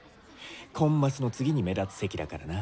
コンマスの次に目立つ席だからな。